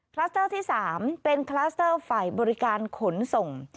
ลัสเตอร์ที่๓เป็นคลัสเตอร์ฝ่ายบริการขนส่ง